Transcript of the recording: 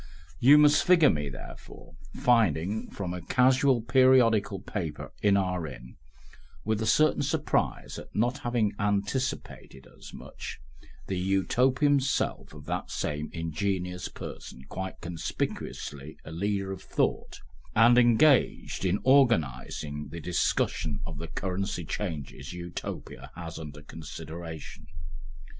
You must figure me, therefore, finding from a casual periodical paper in our inn, with a certain surprise at not having anticipated as much, the Utopian self of that same ingenious person quite conspicuously a leader of thought, and engaged in organising the discussion of the currency changes Utopia has under consideration.